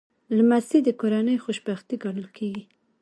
لمسی د کورنۍ خوشبختي ګڼل کېږي.